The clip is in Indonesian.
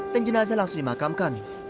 dan jenazah langsung dimakamkan